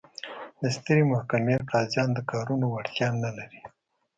د سترې محکمې قاضیان د کارونو وړتیا نه لري.